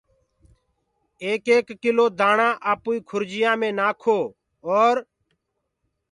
ايڪ ايڪ ڪلو دآڻآ آپوئي کرجيآنٚ مي نآکو اور